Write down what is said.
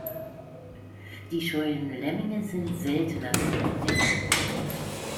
Die scheuen Lemminge sind seltener zu entdecken.